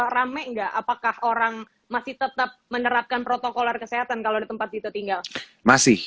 rame enggak apakah orang masih tetap menerapkan protokol kesehatan kalau tempat itu tinggal masih